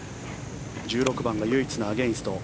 １６番が唯一のアゲンスト。